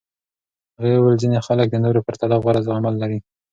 هغې وویل ځینې خلک د نورو پرتله غوره زغمل لري.